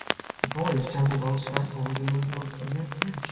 A boy is jumping on skateboard in the middle of a red bridge.